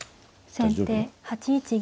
先手８一銀。